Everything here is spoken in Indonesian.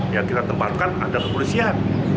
yang kita tempatkan ada kepolisian